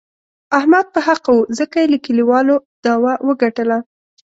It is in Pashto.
احمد په حقه و، ځکه یې له کلیوالو داوه و ګټله.